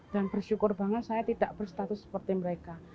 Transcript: dan bersyukur banget saya tidak berstatus seperti mereka